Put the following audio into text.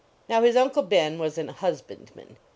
Now his Uncle Ben was an husbandman.